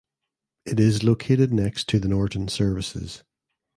It is located next to the Norton Services.